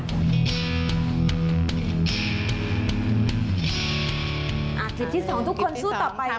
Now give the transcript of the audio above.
อ่ะคลิปที่๒ทุกคนสู้ต่อไปค่ะ